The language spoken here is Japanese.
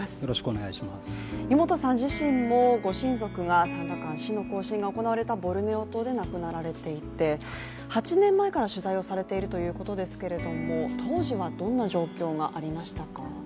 湯本さん自身もご親族がサンダカン死の行進が行われたボルネオ島で亡くなられていて８年前から取材をされているということですが当時はどんな状況がありましたか？